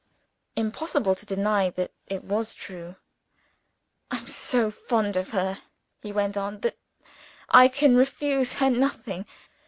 (Impossible to deny that it was true.) "I am so fond of her," he went on, "that I can refuse her nothing.